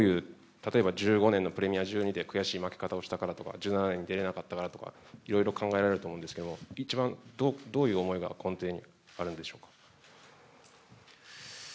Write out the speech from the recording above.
例えば１５年のプレミア１２で悔しい負け方をしたからとか１７年に出れなかったとかいろいろ考えられると思うんですが一番どういう思いが根底にあるんでしょうか。